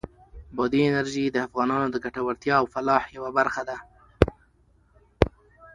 بادي انرژي د افغانانو د ګټورتیا او فلاح یوه برخه ده.